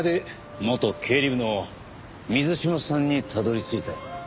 元経理部の水島さんにたどり着いた。